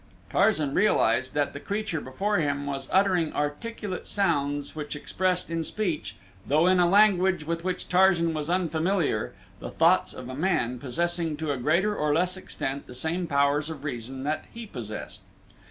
Tarzan realized that the creature before him was uttering articulate sounds which expressed in speech, though in a language with which Tarzan was unfamiliar, the thoughts of a man possessing to a greater or less extent the same powers of reason that he possessed.